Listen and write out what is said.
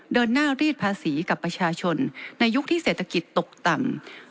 เดินหน้ารีดภาษีกับประชาชนในยุคที่เศรษฐกิจตกต่ำ